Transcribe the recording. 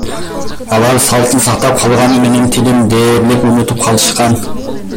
Алар салтын сактап калган менен, тилин дээрлик унутуп калышкан.